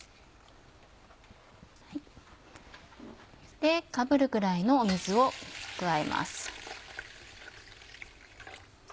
でかぶるぐらいの水を加えます。